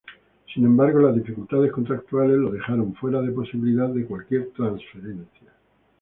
Sin embargo, las dificultades contractuales lo dejaron fuera de posibilidad de cualquier transferencia.